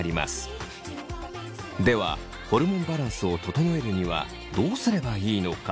ではホルモンバランスを整えるにはどうすればいいのか。